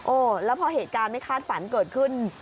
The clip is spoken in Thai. แล้วพอเหตุการณ์ไม่คาดฝันเกิดขึ้น